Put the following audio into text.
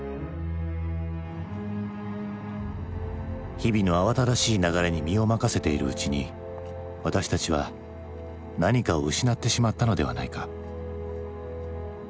日々の慌ただしい流れに身を任せているうちに私たちは何かを失ってしまったのではないか？